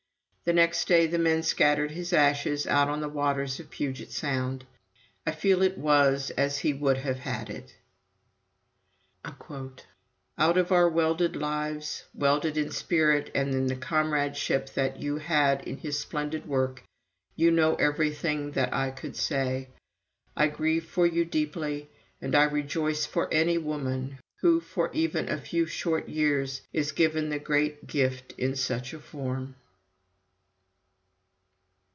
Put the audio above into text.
The next day the two men scattered his ashes out on the waters of Puget Sound. I feel it was as he would have had it. "Out of your welded lives welded in spirit and in the comradeship that you had in his splendid work you know everything that I could say. "I grieve for you deeply and I rejoice for any woman who, for even a few short years, is given the great gift in such a form."